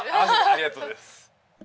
ありがとうございます。